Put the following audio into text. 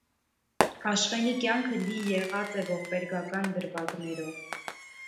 Աշխէնի կեանքը լի եղած է ողբերգական դրուագներով։